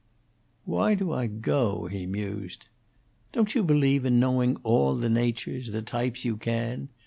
"Why do I go?" he mused. "Don't you believe in knowing all the natures, the types, you can?